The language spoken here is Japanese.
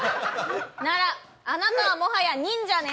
なら、あなたはもはや忍者ね。